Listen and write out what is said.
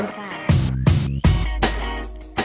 เชิญค่ะ